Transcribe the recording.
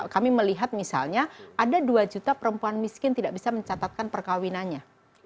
kami melihat misalnya ada dua juta perempuan miskin tidak bisa mencatatkan perkawinannya